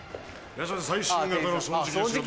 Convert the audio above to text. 最新型の掃除機ですよ